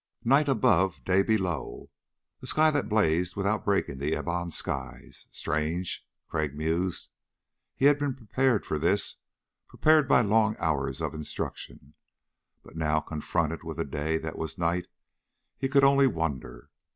Night above ... day below. A sun that blazed without breaking the ebon skies. Strange, Crag mused. He had been prepared for this, prepared by long hours of instruction. But now, confronted with a day that was night, he could only wonder.